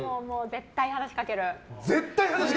絶対話しかける？